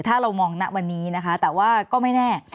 ถ้าเรามองณวันนี้นะคะแต่ว่าก็ไม่แน่